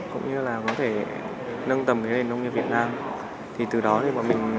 cũng như là có thể nâng tầm cái nông nghiệp việt nam